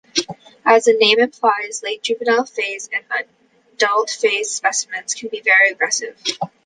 As the name implies, late juvenile-phase and adult-phase specimens can be very aggressive.